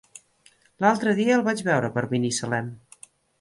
L'altre dia el vaig veure per Binissalem.